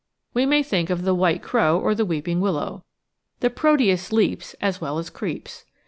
We may think of the white crow or the weeping willow. The Proteus leaps as well as creeps.